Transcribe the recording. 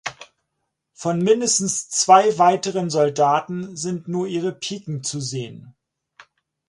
Von mindestens zwei weiteren Soldaten sind nur ihre Piken zu sehen.